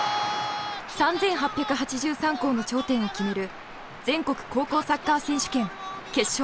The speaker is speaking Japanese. ３，８８３校の頂点を決める全国高校サッカー選手権決勝。